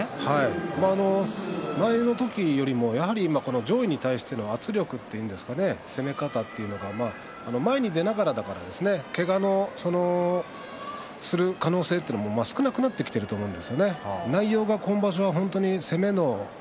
前の時よりも、やはりこの上位に対する圧力というんですか攻め方というか前に出ながらですからけがをする可能性というのも少なくなってきていると思うんですよね。